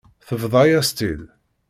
Tebḍa-yas-tt-id.